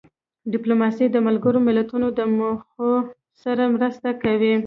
ډیپلوماسي د ملګرو ملتونو د موخو سره مرسته کوي.